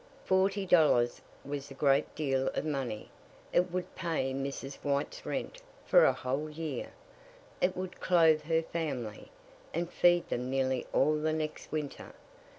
Forty dollars was a great deal of money. It would pay Mrs. White's rent for a whole year; it would clothe her family, and feed them nearly all the next winter.